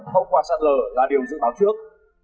không quả sạt lở là điều dự báo trước